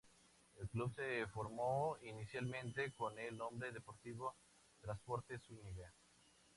El club se formó inicialmente con el nombre Deportivo Transportes Zuñiga.